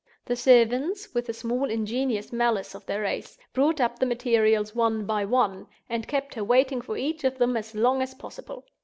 The servants, with the small ingenious malice of their race, brought up the materials one by one, and kept her waiting for each of them as long as possible.